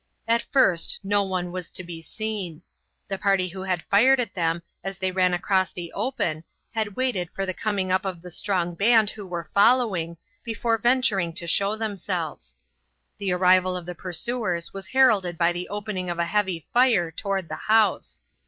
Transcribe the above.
At first no one was to be seen. The party who had fired at them as they ran across the open had waited for the coming up of the strong band who were following, before venturing to show themselves. The arrival of the pursuers was heralded by the opening of a heavy fire toward the house.